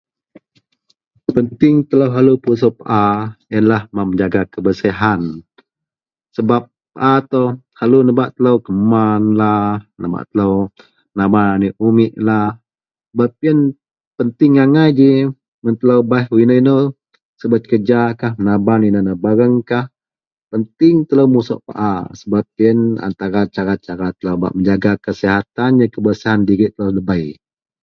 penting telou selalu pusuk paa ienlah bak menjaga kebersihan sebab paa itou selalu nebak telou kemanlah, nebak telou menaban aneak umeklah, sebab ien penting agai ji mun telaou baih inou-inou, subet kerjakah, menaban inou-inou barangkah, penting telou musuk paa, sebab ien antara cara-cara telou menjaga kasihatan jegum kebersihan dirik telou debei